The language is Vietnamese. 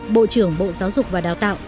bộ trưởng bộ giáo dục và đào tạo